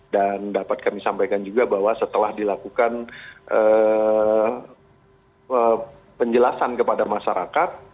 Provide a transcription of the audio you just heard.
dan dapat kami sampaikan juga bahwa setelah dilakukan penjelasan kepada masyarakat